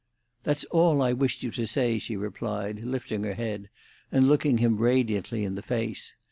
"That's all I wished you to say," she replied, lifting her head, and looking him radiantly in the face.